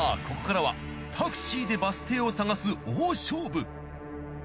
ここからはタクシーでバス停を探す大勝負。